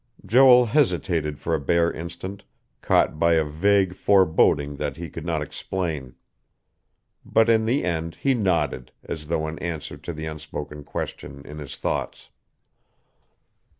Joel hesitated for a bare instant, caught by a vague foreboding that he could not explain. But in the end he nodded, as though in answer to the unspoken question in his thoughts.